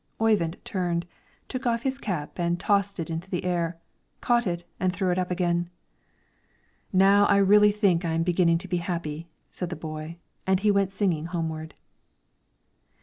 Oyvind turned, took off his cap and tossed it into the air, caught it, and threw it up again. "Now I really think I am beginning to be happy," said the boy, and went singing homeward.